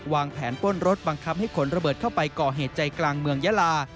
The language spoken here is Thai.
วางแผนปล้นรถบังคับให้ขนระเบิดเข้าไปก่อเหตุใจกลางเมืองยาลา